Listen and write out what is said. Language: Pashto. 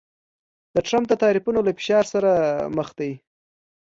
د ټرمپ د تعرفو له فشار سره مخ دی